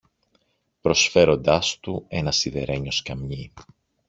προσφέροντάς του ένα σιδερένιο σκαμνί.